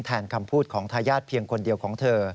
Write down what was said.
คำพูดของทายาทเพียงคนเดียวของเธอ